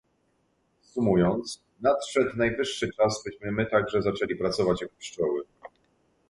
Sumując, nadszedł najwyższy czas, byśmy my także zaczęli pracować jak pszczoły